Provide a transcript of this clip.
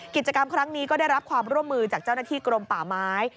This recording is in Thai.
กิจกรรมครั้งนี้ก็ได้รับความร่วมมือจากเจ้าหน้าที่กรมป่าไม้